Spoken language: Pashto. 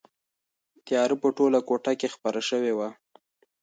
تیاره په ټوله کوټه کې خپره شوې وه.